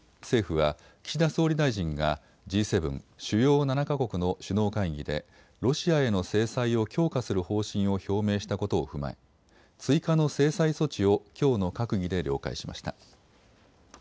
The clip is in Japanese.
政府は岸田総理大臣がＧ７・主要７か国の首脳会議でロシアへの制裁を強化する方針を表明したことを踏まえ追加の制裁措置をきょうの閣議で了解しました。